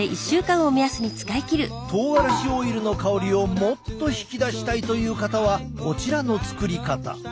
とうがらしオイルの香りをもっと引き出したいという方はこちらの作り方。